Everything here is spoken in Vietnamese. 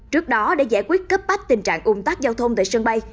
trước đó để giải quyết cấp bách tình trạng ủng tắc giao thông tại sân bay